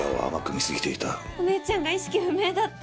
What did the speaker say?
お姉ちゃんが意識不明だって。